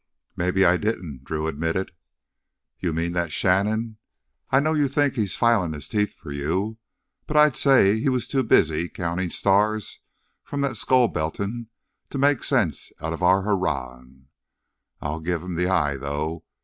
"Maybe I didn't," Drew admitted. "You mean that Shannon? I know you think he's filin' his teeth for you, but I'd say he was too busy countin' stars from that skull beltin' to make sense out of our hurrawin'. I'll give him th' eye though.